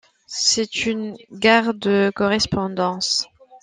C'est une gare de correspondance.